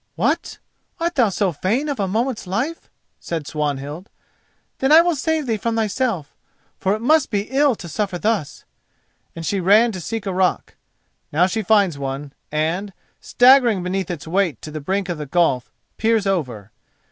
"What! art thou so fain of a moment's life?" said Swanhild. "Then I will save thee from thyself, for it must be ill to suffer thus!" and she ran to seek a rock. Now she finds one and, staggering beneath its weight to the brink of the gulf, peers over.